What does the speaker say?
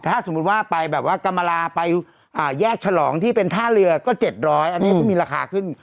ถ้าสมมุติว่าไปแบบว่ากรรมลาไปแยกฉลองที่เป็นท่าเรือก็๗๐๐อันนี้ก็มีราคาขึ้น